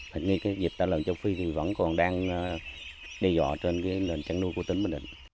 hình như dịch tại lầu châu phi vẫn còn đang đe dọa trên lệnh chăn nuôi của tỉnh bình định